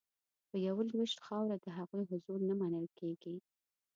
په یوه لوېشت خاوره د هغوی حضور نه منل کیږي